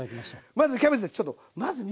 まずキャベツです。